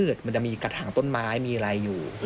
มันจะมีกระถางต้นไม้มีอะไรอยู่